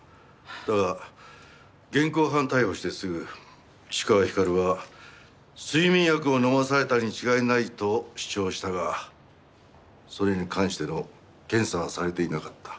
だが現行犯逮捕してすぐ石川光は睡眠薬を飲まされたに違いないと主張したがそれに関しての検査はされていなかった。